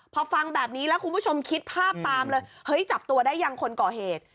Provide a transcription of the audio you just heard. พอฟังแบบนี้แล้วคุณผู้ชมคิดภาพตามเลยเฮ้ยจับตัวได้ยังคนก่อเหตุ